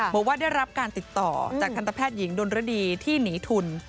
บอกว่าได้รับการติดต่อจากทันตแพทย์หญิงดนรดีที่หนีทุน